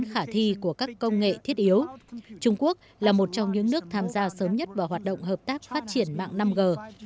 giai đoạn thử nghiệm thứ ba được kết quả vì các công nghệ thiết yếu trung quốc là một trong những nước tham gia sớm nhất vào hoạt động hợp tác phát triển mạng năm g